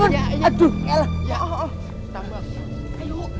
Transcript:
udah ayo cepet aja